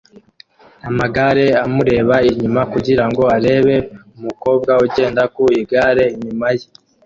Amagare amureba inyuma kugira ngo arebe umukobwa ugenda ku igare inyuma ye